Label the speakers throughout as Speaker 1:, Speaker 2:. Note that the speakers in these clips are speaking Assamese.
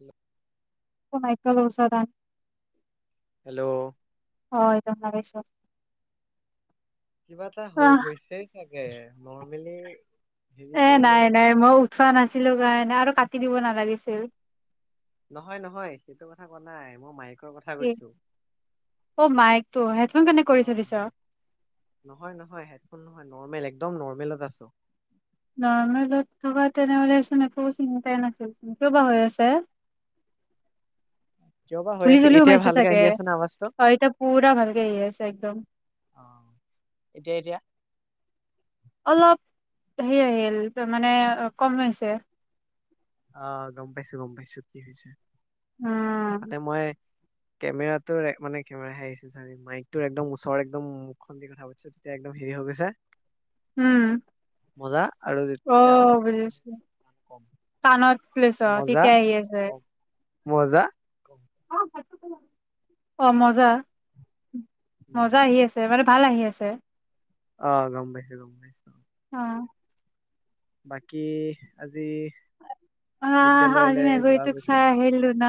Speaker 1: উম
Speaker 2: মাইকেল চৌদান
Speaker 1: হেল্ল'?
Speaker 2: হয়, দেখা পাইছোঁ।
Speaker 1: কিবা এটা হ- হৈছেই চাগে চাগে নৰ্মেলি হেৰি
Speaker 2: এ
Speaker 1: কৰিলেও
Speaker 2: নাই নাই মই উঠোৱা নাছিলো কাৰণে আৰু কট দিব নালাগিছিল।
Speaker 1: নহয় নহয় সেইটো কথা কোৱা নাই মোৰ মাইেক ৰ কথা
Speaker 2: কি
Speaker 1: কৈছোঁ।
Speaker 2: অ মাইকটো হেডফোন কানেক্ট কৰি থৈ
Speaker 1: অ'
Speaker 2: দিছ
Speaker 1: নহয়- নহয় হেডফোন নহয় নৰ্মেল এক একদম নৰ্মেলত আছোঁ
Speaker 2: নৰ্মেলত থকা তেনেহ'লেচোন একো চিন্তাই নাছিল কিয় বা হৈ আছে
Speaker 1: কিয় বা হৈ
Speaker 2: ধূলি
Speaker 1: আছে
Speaker 2: চুলি
Speaker 1: এতিয়া
Speaker 2: সোমাইছে
Speaker 1: ভালকে
Speaker 2: চাগে
Speaker 1: আহি আছে নে আৱাজটো
Speaker 2: হয় এতিয়া পুৰা ভালকে আহি আছে একদম
Speaker 1: অ এতিয়া এতিয়া
Speaker 2: অলপ হেৰি আহিল মানে অ'- কম হৈছে।
Speaker 1: আহ গম পাইছো গম পাইছো কি হৈছে
Speaker 2: উম
Speaker 1: তাতে মই কেমেৰাটোৰ মানে কেমেৰা হে আহি চ মাইকটোৰ একদম ওচৰৰ একদম মুখখন দি কথা পাতিছো তেতিয়া একদম হেৰি হৈ গৈছে
Speaker 2: উম
Speaker 1: মজা আৰু
Speaker 2: অ
Speaker 1: তেতিয়া অলপ কম
Speaker 2: ্লছ
Speaker 1: মজা
Speaker 2: ততিয়া আহ আছেছে
Speaker 1: কম মজা।
Speaker 2: অ' মজা
Speaker 1: উম।
Speaker 2: মজা আহি আছে মানে ভাল আহি আছে।
Speaker 1: অহ গম পাইছো, গম পাইছো। অহ।
Speaker 2: অ
Speaker 1: বাকী আজি
Speaker 2: অহ আজি
Speaker 1: বিদ্যালয়লৈ যোৱা
Speaker 2: মেকুৰীটোক
Speaker 1: গৈছিল
Speaker 2: চাই
Speaker 1: ন
Speaker 2: আহিলো না।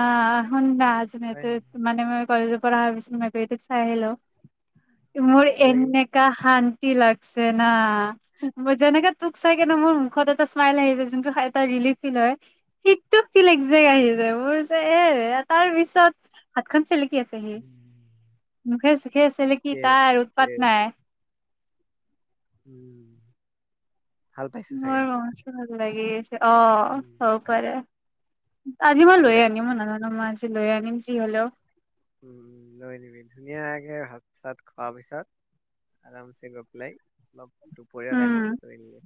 Speaker 2: অ নাই, আজি
Speaker 1: হয়
Speaker 2: মানে
Speaker 1: নেকি
Speaker 2: [unintelligible] মানে মই কলেজ পৰা বিছ মকটো চাই আহিলোঁ মোৰ
Speaker 1: ভাল লাগিল
Speaker 2: এনেকা শান লাগছে না। মই যেনেকে তোক চাই কেনে মোৰ মুখত এটা স্মাইল আহি যায়, যোনটো এটা ৰিলিফ ফিল হয় সেইটো ফিল একজেক আহি যায় মোৰ। পিছত এ তাৰ পিছত হাতখন চেলেকি আছে সি। মুখে-চুখে চেলেকি
Speaker 1: ঠিকে
Speaker 2: তাৰ
Speaker 1: ঠিকে
Speaker 2: উৎপাত নাই।
Speaker 1: উম। ভাল পাইছে চাগে
Speaker 2: ব লাগে। অ
Speaker 1: উম
Speaker 2: সব কৰে। আজি মই
Speaker 1: ভাল
Speaker 2: লৈ
Speaker 1: লাগে
Speaker 2: আনিম মই নাজানো মই লৈ আনিম যি হ'লেও
Speaker 1: উম উ লৈ নিবি ধুনীয়াকে ভাত চাত খোৱাৰ পিছত আৰামছে গৈ পেলাই অলপ দুপৰীয়াৰ
Speaker 2: উম
Speaker 1: টাইমত লৈ আনিমগে।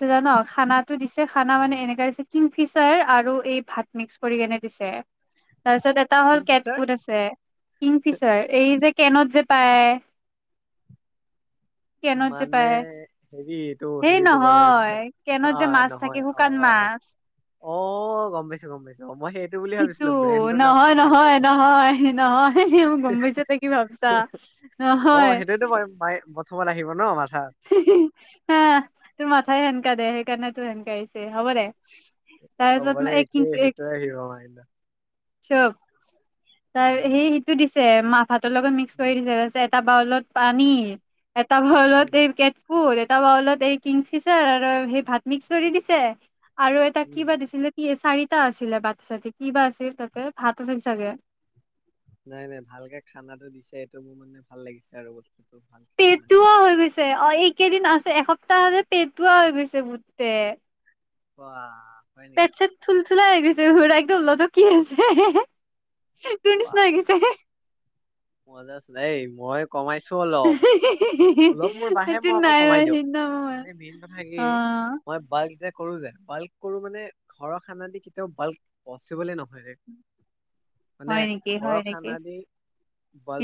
Speaker 2: তই জান খানাত টো দিছে। খানা মানে এনেকা দিছে, কিন্তু ফিচাৰ আৰু এই ভাত মিক্স কৰি কেনে দিছে। তাৰপিছত এটা হ'ল কেট
Speaker 1: কিংফিচাৰ
Speaker 2: ফুট আছে কিংফিচাৰ এই যে কেনত যে পায়। কেনত যে
Speaker 1: মানে
Speaker 2: পায়
Speaker 1: হেৰিটো
Speaker 2: সেই
Speaker 1: হেৰিটো মানে
Speaker 2: নহয় কেনত যে
Speaker 1: আহ
Speaker 2: মাছ থাকে
Speaker 1: নহয়
Speaker 2: শুকান
Speaker 1: অহ, অ',
Speaker 2: মাছ
Speaker 1: অহ গম পাইছো, গম পাইছো। মই সেইটো বুলি
Speaker 2: সিটো
Speaker 1: ভাবিছিলো ব্ৰেণ্ডটোৰ নাম
Speaker 2: নহয়
Speaker 1: মানে সেইটো
Speaker 2: নহয়
Speaker 1: নহ।
Speaker 2: নহয় নহয় মই গম পাইছো তই কি ভাবছা
Speaker 1: অ
Speaker 2: নহয়
Speaker 1: সেইটোৱেতো মই মই থ'বলে আহিব ন মা
Speaker 2: হাহ, তোৰ মাথাই সেনকা দে। সেইকাৰণেতো সেনকে আহিছে। হ'ব দে। তাৰপিছত
Speaker 1: চবৰে
Speaker 2: এই কিং
Speaker 1: একেই। সেইটোহে। [unintelligible]
Speaker 2: [unintelligible] তাৰ সেই সেইটো দিছি। [unintelligible] ভাতৰ লগক মিক্স কৰি
Speaker 1: উম,
Speaker 2: দিছে, তাৰ পিছত এটা বাউলত পানী এটা [unintelligible]
Speaker 1: উম,
Speaker 2: ক'ত এটা বাউলত এই কিংফিচাৰ আৰু সেই ভাত মিক্স কৰি দিছে। আৰু এটা
Speaker 1: উম।
Speaker 2: কিবা দিছিলে টিএচ চাৰিটা আছিলে বাট চাতি কিবা আছিল তাতে ভাত আছিল চাগে।
Speaker 1: নাই নাই। ভালকে খানাটো দিছে, এইটো মোৰ মানে ভাল লাগিছে আৰু বস্তু
Speaker 2: পেটুৱা হৈ গৈছে অ এইকেইদিন আছ এসপ্তাহতে পেটুৱা হৈ গৈছে গোটে।
Speaker 1: বাঃ!
Speaker 2: পেট চেট থুলথুলা হৈ গৈছে। সৰা গলোটো কি আছে হে তোৰ নিচিনা লাগিছে।
Speaker 1: মজাচোন দেই। মই কমাইছো অলপ। অলপ মোৰ বাহে
Speaker 2: সেইটো
Speaker 1: মই আকৌ
Speaker 2: নাই
Speaker 1: কমাই
Speaker 2: হোৱা
Speaker 1: দিওঁ
Speaker 2: সিদিনা মোৰ
Speaker 1: মানে মেইন কথা
Speaker 2: অ
Speaker 1: কি মই বা ক যে কৰো যে বাল্ক কৰো মানে ঘৰৰ খানা দি কেতিয়াও বাল্ক পচিবলে নহয় ৰে। মানে
Speaker 2: হয় নেকি,
Speaker 1: ঘৰৰ
Speaker 2: হয় নেকি।
Speaker 1: খানা দি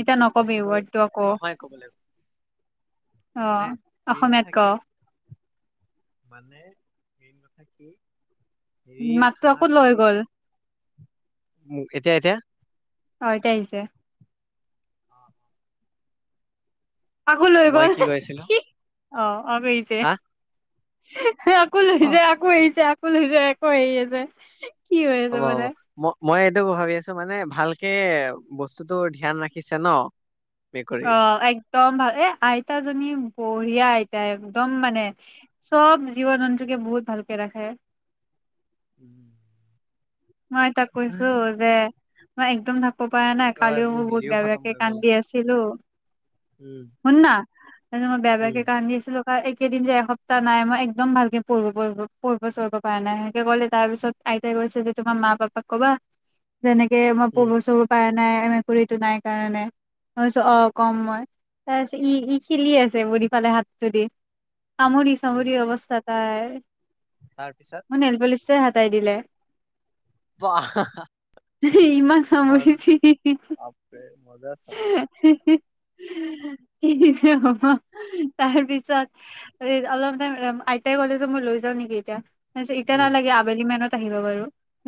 Speaker 2: এতিয়া নকবি
Speaker 1: পচিবল
Speaker 2: ৱৰ্ডটো আকৌ
Speaker 1: নহয় ক'ব গ'লে।
Speaker 2: অ,
Speaker 1: মানে মেইন
Speaker 2: অসমীয়াত
Speaker 1: কথা
Speaker 2: ক।
Speaker 1: কি মানে মেইন কথা কি হেৰিৰ
Speaker 2: মাকতো আকৌ লৈ গ'ল।
Speaker 1: উ এতিয়া এতিয়া।
Speaker 2: অ এতিয়া আহিছে।
Speaker 1: অ অ।
Speaker 2: আকৌ লৈ গ'ল।
Speaker 1: কি কৈছিলো
Speaker 2: অ। অ বেই যে
Speaker 1: হা
Speaker 2: [unintelligible] সি‌ আকৌ লৈ
Speaker 1: অ
Speaker 2: যায় আকৌ এৰিছে আকৌ [unintelligible] আকৌ। [unintelligible]
Speaker 1: হ'ব হ'ব।
Speaker 2: মানে
Speaker 1: ম মই এইটো ভাবি আছো মানে ভালকে বস্তুতটো ধ্যান ৰাখিছে ন।
Speaker 2: অ
Speaker 1: মেকুৰীত
Speaker 2: একদম ভাল এ আইতাজনীয়ে বঢ়িয়া আইতা। একদম মানে চব জীৱ জন্তুকে বহুত ভালকে ৰাখে।
Speaker 1: উম
Speaker 2: মই তাক কৈছো যে মই একদম ব পৰা নাই
Speaker 1: মোৰতো
Speaker 2: কালিও
Speaker 1: আজি
Speaker 2: মই বহুত
Speaker 1: হেৰিও
Speaker 2: বেয়া
Speaker 1: খতম
Speaker 2: বেয়াকে
Speaker 1: হৈ গ'ল
Speaker 2: কান্দি আছিলো।
Speaker 1: উম
Speaker 2: ‌শুন না‌ কালি মই বেয়া
Speaker 1: উম
Speaker 2: বেয়াকে কান্দি আছিলো। বা একেদিন যে এসপ্তাহ নাই মই একদম ভালকে পঢ় পঢ়ি পঢ়িব চঢ়হিব পৰা নাই সেনেকে ক'লে তাৰ পিছত আইতাই কৈছে যে তোমাৰ মা পাপাক ক'বা। যেনেকে মই
Speaker 1: উম
Speaker 2: পহু চহু পায়। নাই মেকুৰীটো নাই কাৰণে ভাবিছো অ কম মই তাৰপিছত ই - ই খিলি আছে বুঢ়ী ফালে হাতটো দি। কামুৰি
Speaker 1: উম
Speaker 2: চামুৰি অৱস্থাত তাই
Speaker 1: তাৰপিছত?
Speaker 2: তে হাতাই দিলে
Speaker 1: বাহ
Speaker 2: ইমান
Speaker 1: মই
Speaker 2: সমচিছ
Speaker 1: বাপৰে মজা চোন
Speaker 2: [unintelligible] কি যে হ'ব তাৰ পিছত অলপ টাইম আইতাই কলে যে মই লৈ যাও নেকি এতিয়া। মই কৈছোঁ এতিয়া
Speaker 1: উম
Speaker 2: নালাগে আবেলি মানত আহিব বাৰু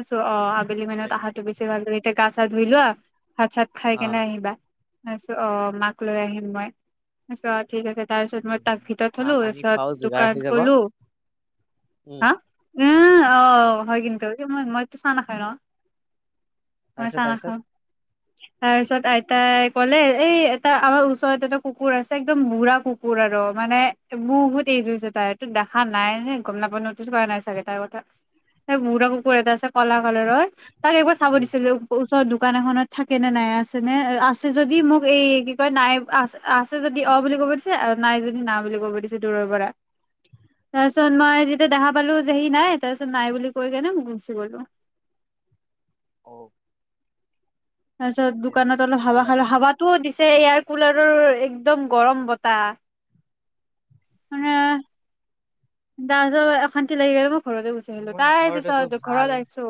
Speaker 2: ছ অ বেলি মানত
Speaker 1: হয় নেকি
Speaker 2: অহাটো বেছ ভাল লাগে। তে গা চা ধুই লোৱা। ভাত চাত খাই
Speaker 1: অ
Speaker 2: কেনে আহিবা। মই কৈছো অ মাক লৈ আহিম মই। কৈছে অ ঠিক আছে। তাৰ পিছত মই তাক
Speaker 1: বঢ়িয়াকে
Speaker 2: ভিতৰত
Speaker 1: চাহ
Speaker 2: থলো।
Speaker 1: পানী
Speaker 2: তাৰপিছত
Speaker 1: খোৱাও যোগাৰ হৈ
Speaker 2: দোকানত
Speaker 1: যাব।
Speaker 2: গলো।
Speaker 1: উম।
Speaker 2: হা, উ, অ হয় কিন্তু। [unintelligible] চ ন খাই ন? ম
Speaker 1: তাৰপিছত
Speaker 2: চা
Speaker 1: তাৰপিছত
Speaker 2: নাখাওঁ। তাৰপিছত আইতাই ক'লে এই এটা আমাৰ ওচৰত এটা কুকুৰ আছে একদম বুঢ়া কুকুৰ আৰু মানে বহুত এইজ হৈছে তাইৰ। দেখা নাই ন গম নাপ নো কৰা নাই চাগে তাৰ কথা। বুঢ়া কুকুৰ এটা আছে। কলা কালাৰৰ তাক একবাৰ চাব
Speaker 1: উম।
Speaker 2: দিছিল যে ত দোকান এখনত থাকে নে নাই আছে নে আছে যদি মোক এই কি কয় নাই আ আছে যদি অ বুলি কব দিছে নাই যদি নাই বুলি কব দিছে দূৰৰ পৰা তাৰপিছত মই যেতিয়া দেখা পালো যে সি নাই তাৰপিছত নাই বুলি কৈ কেনে মোক গুচি গলো।
Speaker 1: অ
Speaker 2: তাৰপিছত দোকানত অলপ
Speaker 1: ভাল
Speaker 2: হাৱা
Speaker 1: লাগে।
Speaker 2: হাৱা হাৱাটো দিচ এয়াৰ কুলাৰৰ একদম গৰম বতাহ। মানে দাজৰ অশান্তি লাগি গেল
Speaker 1: আমাৰ ঘৰত এটো ভাল।
Speaker 2: আহিছো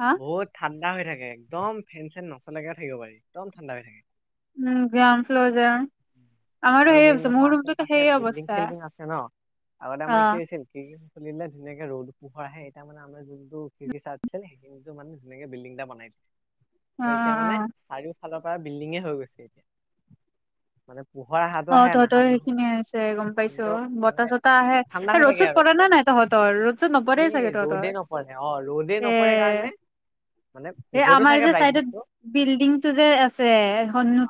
Speaker 2: হা
Speaker 1: বহুত ঠাণ্ডা হৈ থাকে একদম। ফেন চেন নচলাকে থাকিব পাৰি। একদম ঠাণ্ডা হৈ থাকে।
Speaker 2: উম গ্ৰাউণ্ড ফ্লৰ যে আমাৰো
Speaker 1: আৰু
Speaker 2: সেই
Speaker 1: মেইন
Speaker 2: হৈছে
Speaker 1: কথা
Speaker 2: মোৰ
Speaker 1: আশে
Speaker 2: ৰুমটোতো
Speaker 1: পাশে
Speaker 2: সেই
Speaker 1: বিল্ডিং
Speaker 2: অৱস্থা
Speaker 1: চিল্ডিং আছে ন আগতে
Speaker 2: অ
Speaker 1: আমাৰ কি হৈছিল কি চলিলে ধুনীয়াকে ৰ'দ পোহৰ আহে এটা মানে আমাৰ যোনটো খি আছে সেইখিনিত মানে ধুনীয়াকে বি্ডিং এটা বনাই
Speaker 2: অ
Speaker 1: ত এতিয়া মানে চাৰিও ফালৰ পৰা বিল্ডিঙে হৈ গৈছে এতিয়া মানে পোহৰ আহাটো
Speaker 2: অ
Speaker 1: আহে
Speaker 2: তহতৰ
Speaker 1: নাহাত নহয়
Speaker 2: সেইখিনিয়ে আছে গম পাইছো
Speaker 1: কিন্তু মানে
Speaker 2: বতাহ চতাহ আহে
Speaker 1: ঠাণ্ডা হৈ
Speaker 2: ৰ'দ
Speaker 1: থাকে
Speaker 2: চত
Speaker 1: আৰু
Speaker 2: পৰে নে নাই তহঁতৰ ৰ'দ চত নপৰেই
Speaker 1: সেই
Speaker 2: চাগে তহঁতৰ
Speaker 1: ৰ'দে নপৰে অ ৰ'দে
Speaker 2: এ
Speaker 1: নপৰে কাৰণে মানে
Speaker 2: এ
Speaker 1: পোহৰটো
Speaker 2: আমাৰ
Speaker 1: থাকে
Speaker 2: যে চাইডত
Speaker 1: ব্ৰাইটনেচটো
Speaker 2: বিল্ডিং টো যে আছে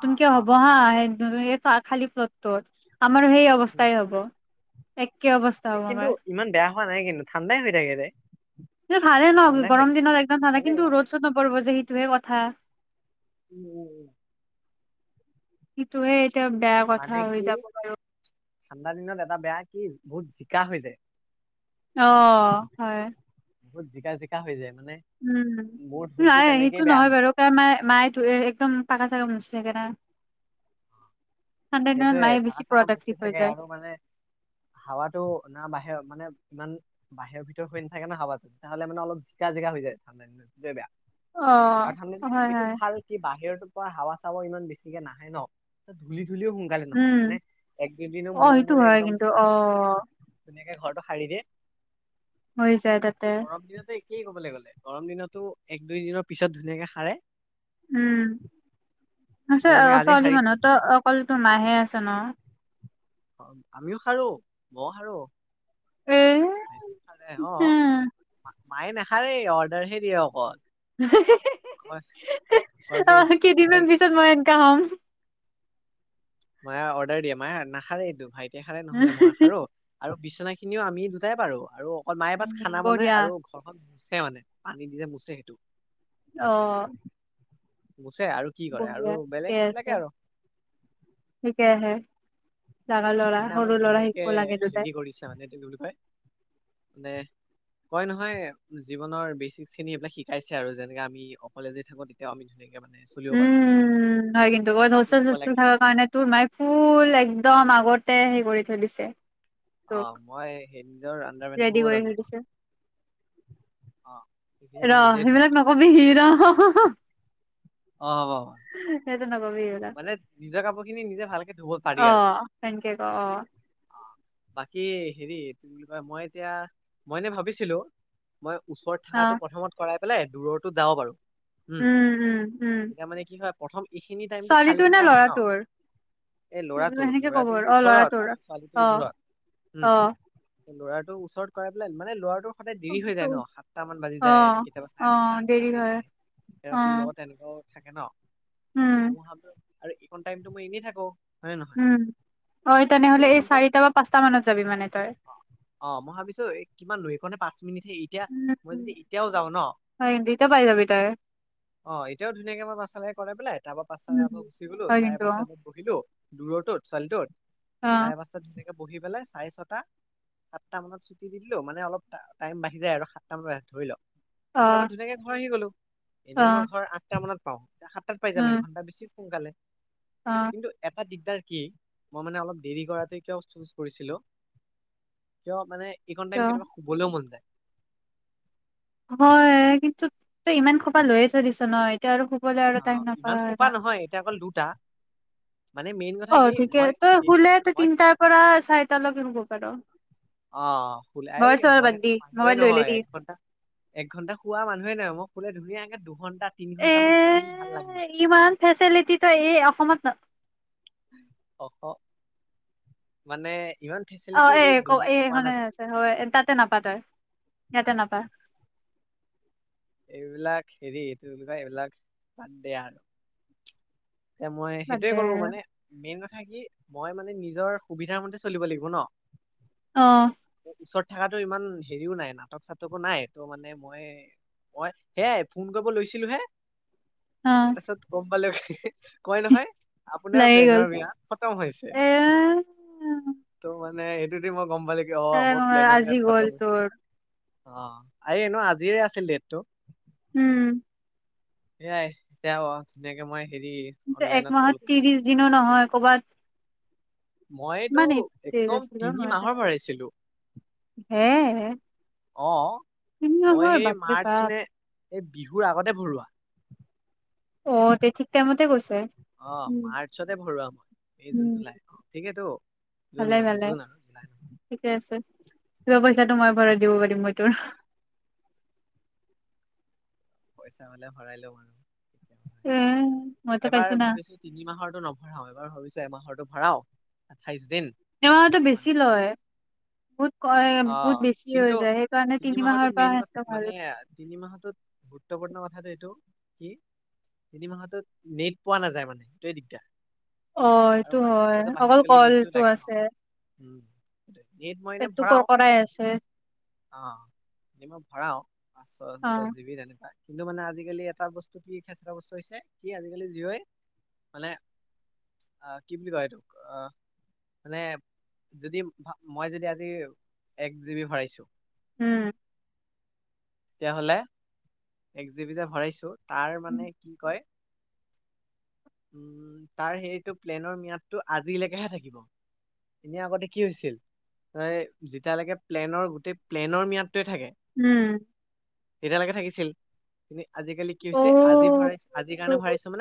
Speaker 1: অ অ
Speaker 2: হ'ব হা [unintelligible] খালি পতক আমাৰো সেই অৱস্থাই হ'ব। এক কি অৱস্থা হব
Speaker 1: কিন্তু
Speaker 2: আমাৰ
Speaker 1: ইমান বেয়া হোৱা নাই কিন্তু ঠাণ্ডাই হৈ থাকে দে
Speaker 2: ভালে ন
Speaker 1: ঠাণ্ডাই হৈ
Speaker 2: গৰম
Speaker 1: থাকে
Speaker 2: দিনত একদম ঠাণ্ডা
Speaker 1: ভালে
Speaker 2: কিন্তু ৰ'দ চ'দ নপৰিব যে সেইটোহে কথা থা
Speaker 1: উম
Speaker 2: কিটো সেই কিয় বেয়া কথা
Speaker 1: মানে
Speaker 2: হৈ
Speaker 1: কি
Speaker 2: যাব বাৰু
Speaker 1: ঠাণ্ডা দিনত এটা বেয়া কি বহুত জিকা হৈ যায়।
Speaker 2: অ হয়
Speaker 1: বহুত জিকা জিকা হৈ যায়। মানে
Speaker 2: উম
Speaker 1: মোৰ ঢোলটো
Speaker 2: নাই সেইটো
Speaker 1: তেনেকেই বেয়া
Speaker 2: নহয়
Speaker 1: হৈছে
Speaker 2: বাৰু কাৰন মাএ মায়ে ধুৱে বাৰু একদম পাকা চাকা মুচ চখৰা [unintelligible]
Speaker 1: সেইটোয়ে ভাল চকা মুচি থাকে
Speaker 2: যায়
Speaker 1: আৰু মানে হাৱাটো না বাহে মানে ইমান বাহিৰৰ ভিতৰত হৈ নাথাকে ন হাবাটো তেতিয়াহলে মানে অলপ জিকা জিকা হৈ যায় ঠাণ্ডা দিনত সেইটোৱে বেয়া।
Speaker 2: অ
Speaker 1: আৰু ধড
Speaker 2: হয়
Speaker 1: এইটো
Speaker 2: হয়
Speaker 1: ভাল কি বাহিৰতো হাৱা চাৱৰ ইমান বেছিকে নাহে ন ত ধূলি সিও সোনকালে আহি লক
Speaker 2: উম
Speaker 1: মানে এক দুদিনো
Speaker 2: অ
Speaker 1: মূৰে
Speaker 2: সেইটো
Speaker 1: -মূৰে
Speaker 2: হয়
Speaker 1: একদম
Speaker 2: কিন্তু অ
Speaker 1: ধুনীয়াকে ঘৰটো হয় নেকি?
Speaker 2: হৈ যায় তাতে
Speaker 1: কি কবলৈ গ'লে গৰম দিনতো এক দুই দিনৰ পিছত ধুনীয়াকে সাৰে
Speaker 2: উম
Speaker 1: এতিয়া যেনেকে আজি
Speaker 2: ছোৱালী
Speaker 1: সাৰিছে
Speaker 2: মানুহতো অ অকলো মাহে আছে ন?
Speaker 1: আমিও সাৰো ঘৰ সাৰো।
Speaker 2: এ
Speaker 1: খালে অহ
Speaker 2: উম
Speaker 1: মায়ে নাখায়েই অৰ্ডাৰ হে দিয়ে অকল।
Speaker 2: হি হি হি হি হি অ কি
Speaker 1: আৰে
Speaker 2: দিনমান পিছত মই কাম
Speaker 1: মায়ে অৰ্ডাৰ দিয়ে মায়ে নাখা ৰেটো এইটো ভাইট নেখালে নহলে মইয়ে খাও আৰু বিচনা খিনিও আমি দুটাই পাৰো আৰু অকল মায়ে বাছ
Speaker 2: উম
Speaker 1: খানা বনায়
Speaker 2: বঢ়িয়া
Speaker 1: আৰু ঘৰখন নহয় মানে পানীত যে মুছে সেইটো
Speaker 2: অহ
Speaker 1: মুচে আৰু কি কৰে আৰু
Speaker 2: বঢ়িয়া
Speaker 1: বেলেগ
Speaker 2: ঠিকে
Speaker 1: সেইবিলাকে
Speaker 2: আছে
Speaker 1: আৰু
Speaker 2: ঠিকে আহে
Speaker 1: মানে আমাক ধুনীয়াকে
Speaker 2: দুটাই।
Speaker 1: হেৰি কৰিছা মানে তুমি বুলি কয় মানে কয় নহয় জীৱনৰ বেচিক শ্ৰেণী এইবিলাক শিকাইছে আৰু যেনেকে আমি অকলে যে থাকো তেতিয়াও আমি ধুনীয়াক
Speaker 2: উম হয় কিন্তু
Speaker 1: কেনেকে
Speaker 2: বৰ
Speaker 1: কাপোৰ ধুব
Speaker 2: ধচচুল
Speaker 1: লাগে
Speaker 2: থাককা কাৰণে তোৰ মায়ে ফুল একদম আগত তে হে কৰি থৈ দিছে
Speaker 1: অ
Speaker 2: তোক।
Speaker 1: মই হে নিজৰ আনডা পেন
Speaker 2: ৰেডি
Speaker 1: ধুব ও
Speaker 2: কৰি থৈ
Speaker 1: জানো।
Speaker 2: দিছে।
Speaker 1: অ সেইখিনি মই
Speaker 2: ৰ
Speaker 1: নিজে ধুম
Speaker 2: সেইবিলাক নকবি সি হ হা হা হা
Speaker 1: অহ
Speaker 2: ন
Speaker 1: নিজে ভালকে ধুব পাৰি আৰু
Speaker 2: এনকে ক' অ
Speaker 1: বাকী হেৰি ত বুলি কয় মই এতিয়া ভাবিছিলো মই ওচৰত
Speaker 2: অ
Speaker 1: থকাতটো প্ৰথমত কৰাই বোলে দূৰতো যাওঁ বাৰু। উম
Speaker 2: উম উম।
Speaker 1: তেতিয়া মানে কি হয় প্ৰথম এইখিনি তাইমতত কৈ
Speaker 2: ছোৱালীটোৰ নে
Speaker 1: থকা হয় ন
Speaker 2: ল'ৰাটোৰ
Speaker 1: এই ল'ৰাটোৰ-
Speaker 2: সেনেকে ক'ব
Speaker 1: ল'ৰাটোৰ
Speaker 2: অ
Speaker 1: ওচৰত
Speaker 2: ল'ৰাটোৰ।
Speaker 1: আৰু ছোৱালীটোৰ
Speaker 2: অ
Speaker 1: দূৰত উম।
Speaker 2: অ
Speaker 1: ল'ৰাটো ওচৰত কৰাই পেলাই মানে ল'ৰাটো সদায় দেৰি হৈ
Speaker 2: অ
Speaker 1: যায় ন সাতটা মান বাজি যায় কেতিয়াবা
Speaker 2: অ
Speaker 1: চাৰে সাতটা আঠটা
Speaker 2: দেৰি
Speaker 1: বাজি
Speaker 2: হয়
Speaker 1: যায় আৰু
Speaker 2: অ
Speaker 1: তোৰ লগত এনেকুৱা থাকে ন
Speaker 2: উম
Speaker 1: তয়ো খা আৰু এইখন টাইমতো মই এনেই থাকোঁ‌
Speaker 2: উম অ' তেনেহলে এই
Speaker 1: এইকণ টাইম
Speaker 2: চাৰিটা বা পাঁচটা মানত যাবি মানে তই
Speaker 1: তুমিযে এতিয়া মই
Speaker 2: উম।
Speaker 1: যদি এতিয়াও যাও ন
Speaker 2: হয় কিন্তু এতিয়া পাই যাবি তই।
Speaker 1: অ এতিয়াও ধুনাকে পাচত শেষ কৰি পিলাই তাপা পাচত পৰা
Speaker 2: উম।
Speaker 1: গুচি গলো
Speaker 2: হয়
Speaker 1: চাৰে
Speaker 2: কিন্তু অ',
Speaker 1: পাঁচটাত বহিলো দূৰৰটো ছোৱালীটোৰ
Speaker 2: অ',
Speaker 1: চাৰে পাজ্তাত ধ ত বহি পেলাই চাৰে ছটা সাতটা মানত ছুটি দি দিলো মানে অলপ টাইম বাঢ়ি যায় আৰু সাতটা মান ধৰি লওক সাতটা বাত
Speaker 2: অ',
Speaker 1: ধুনীয়াকে ঘৰ আহি গলো। এনেই মই
Speaker 2: অ',
Speaker 1: ঘৰ আঠটা মানত পাওঁ সাতটাত পাই যাম
Speaker 2: উম,
Speaker 1: এক ঘণ্টাৰ পিছত। সোনকালে
Speaker 2: অ',
Speaker 1: কিন্তু এটা দিগ কি মই মানে অলপ দেৰি কৰাটো কিয় চুজ কৰিছিলো, কিয় মানে এইকন
Speaker 2: কিয়?
Speaker 1: টাইম কেতিয়াবা শুবলৈও মন যায়।
Speaker 2: হয় কিন্তু তই ইমান খোপা লৈয়ে থৈ দিছ ন। এতিয়া আৰু শুবলৈ আৰু
Speaker 1: অ
Speaker 2: টাইম নাপাৱ
Speaker 1: ইমান সোপা নহয় এতিয়া অকল দুটা। মানে মেইন কথা
Speaker 2: অ
Speaker 1: কি
Speaker 2: ঠিকে
Speaker 1: মই
Speaker 2: তই শুলে ত
Speaker 1: মই
Speaker 2: তিনটাৰ পৰা চাৰিটালকে শো পাৰ।
Speaker 1: অ শুলে এই
Speaker 2: মোবাইল চোবাইল
Speaker 1: মই
Speaker 2: বাদ দি
Speaker 1: মানুহে
Speaker 2: মোবাইল লৈ
Speaker 1: নহয়
Speaker 2: ল'লি।
Speaker 1: এক ঘণ্টা একঘণ্টা হুৱা মানুহে নহয় মই শুলে ধুনীয়াকে এ দুখন
Speaker 2: এ ইমান ফেচিলিটি তই এই অসমত ন
Speaker 1: অসম মানে ইমান
Speaker 2: অ
Speaker 1: ফেচিলিটি
Speaker 2: এ ক
Speaker 1: দুুনীয়াত
Speaker 2: এই
Speaker 1: পোৱা
Speaker 2: এইখনে
Speaker 1: নাযায়
Speaker 2: আছে হয় তাতে নাপা তই। ইয়াতে নাপা।
Speaker 1: এইবিলাক হেৰি এইটো কি বুলি কৈ এইবিলাক বাদ দে আৰু। এ মই
Speaker 2: বাদ
Speaker 1: সেইটোয়ে
Speaker 2: দে
Speaker 1: কৰো
Speaker 2: আৰু
Speaker 1: মানে মেইন থাকি মই মানে নিজৰ সুবিধাৰ মতে চলিব লাগিব ন।
Speaker 2: অ
Speaker 1: ওচৰত থকাটো ইমান হেৰিও নাই, নাটক-চাটকো নাই। তো মানে মই মই সেয়াই ফোন কৰিব লৈছিলো হে
Speaker 2: অ'।
Speaker 1: তাৰপাছত গম পালো ইহে কয় নহয়, আপোনাৰ
Speaker 2: লাগি গ'ল
Speaker 1: প্লেনৰ ম্যাদ খতম হৈছে।
Speaker 2: এ
Speaker 1: হাঁহাঁ, তো মানে নাই সেইটো দি মোক গম পালে কি অ
Speaker 2: এ
Speaker 1: মোৰ প্লেন
Speaker 2: আজি
Speaker 1: ইয়াত
Speaker 2: গ'ল
Speaker 1: খতম হৈছে।
Speaker 2: তোৰ
Speaker 1: অ এইনো আজিৰে আছিল ডেটটো।
Speaker 2: উম।
Speaker 1: এয়াই এতিয়া অ ধুনীয়াকে মই হেৰি
Speaker 2: কিন্তু এক
Speaker 1: অনলাইনত কল
Speaker 2: মাহত
Speaker 1: কৰিম
Speaker 2: ত্ৰিশ
Speaker 1: বুলি
Speaker 2: দিনো নহয় ক'বাত
Speaker 1: মই এইটো
Speaker 2: কিমান ডেইজ
Speaker 1: একদম
Speaker 2: আছিল
Speaker 1: তিনি
Speaker 2: মই
Speaker 1: মাহৰ ভৰাইছিলো।
Speaker 2: হে!
Speaker 1: অ'
Speaker 2: তিনি
Speaker 1: মই
Speaker 2: মাহৰ
Speaker 1: সেই
Speaker 2: বাপৰে
Speaker 1: মাৰ্চ
Speaker 2: বাপ
Speaker 1: নে এই বিহুৰ আগতে ভৰোৱা
Speaker 2: অ' তে ঠিক টাইমতে গৈছে।
Speaker 1: অ'
Speaker 2: উম
Speaker 1: মাৰ্চতে ভৰোৱা মই মে
Speaker 2: উম
Speaker 1: জুন জুলাই অ' ঠিকেইেতো জুন
Speaker 2: ভালে
Speaker 1: মানে জুন আৰু জুলাই।
Speaker 2: ৰ পইচাটো মই ভৰাই দিব পাৰিম মই তোৰ
Speaker 1: পইচা হলে ভৰাই লম আৰু
Speaker 2: এ মইতো পাইছো
Speaker 1: এইবাৰ
Speaker 2: না
Speaker 1: ভাবিছো তিনি মাহৰটো নভৰাও এইবাৰ ভাবিছো এমাহৰতো ভৰাওঁ আঠাইশ দিন
Speaker 2: সেৱাটো বেছি
Speaker 1: মানে
Speaker 2: লয় বহুত ক বহুত
Speaker 1: অ'
Speaker 2: বেছি হৈ
Speaker 1: কিন্তু
Speaker 2: যায় সেইকাৰণে
Speaker 1: তিনি
Speaker 2: মাহৰ
Speaker 1: মাহৰটোত
Speaker 2: পৰা
Speaker 1: মেইন
Speaker 2: সেনেকে
Speaker 1: কথা
Speaker 2: ভাল
Speaker 1: মানে তিনি মাহটোত গুৰুত্বপূৰ্ণ কথাটো এইটো কি তিনি মাহটোত নেট পোৱা নাযায় মানে সেইটোৱে দিগদাৰ
Speaker 2: অ
Speaker 1: আৰু
Speaker 2: এইটো
Speaker 1: মাজে
Speaker 2: হয়
Speaker 1: মাজে
Speaker 2: অকল
Speaker 1: বাহিৰত গ'লে নেটটো
Speaker 2: কলটো
Speaker 1: লাগে ন
Speaker 2: আছে
Speaker 1: উম্ নেট মই এনে
Speaker 2: পেটটো
Speaker 1: ভৰাওঁ।
Speaker 2: কৰকৰাই আছে
Speaker 1: অ' ৰাতি মই ভৰাওঁ পাঁচ ছ
Speaker 2: অ
Speaker 1: দহ জিবি তেনেকুৱাই কিন্তু মানে আজিকালি এটা বস্তু কি খেচেৰা বস্তু হৈছে কি আজিকালি যিয়ই মানে আহ কি বুলি কয় আহ মানে যদি মই যদি আজি এক জি বি ভৰাইছো
Speaker 2: উম্
Speaker 1: তেতিয়াহ'লে এক জি বি যে ভৰাইছো তাৰ মানে কি কয় উম তাৰ সেইটো প্লেনৰ ম্যাদটো আজিলৈকেহে থাকিব এনে আগতে কি হৈছিল যেতিয়ালৈকে প্লেনৰ গোটেই প্লেনৰ ম্যাদ
Speaker 2: উম
Speaker 1: তেতিয়ালৈকে থাকিছিল তুমি আজিকালি কি হৈছে আজি ভৰাইছো আজিৰ কাৰণে ভৰাইছো মানে